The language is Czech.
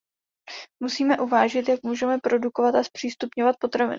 Musíme uvážit, jak můžeme produkovat a zpřístupňovat potraviny.